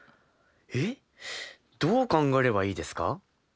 えっ？どう考えればいいですか？